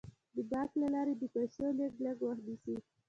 د بانک له لارې د پيسو لیږد لږ وخت نیسي.